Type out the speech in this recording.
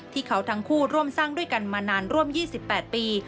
ทั้งคู่ร่วมสร้างด้วยกันมานานร่วม๒๘ปี